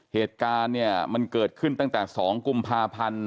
เหตุการณ์เนี่ยมันเกิดขึ้นตั้งแต่๒กุมภาพันธ์